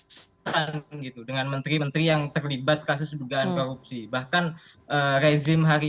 sampai pergi itu dengan menteri menteri yang terlibat kasus dugaan korupsi bahkan rezim hari